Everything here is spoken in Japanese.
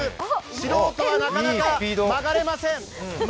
素人はなかなか曲がれません。